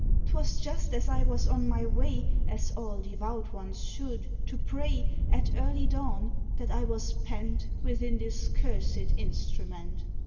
[']Twas just as I was on my way, As all devout ones should, to pray, At early dawn, that I was pent Within this cursed instrument.